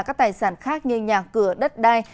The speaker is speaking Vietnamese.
các tài sản khác như nhà cửa đất đai